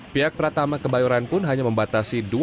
pihak pratama kebayoran pun hanya membatasi